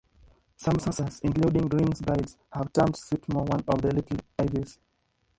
Some sources, including "Greene's Guides," have termed Swarthmore one of the "Little Ivies".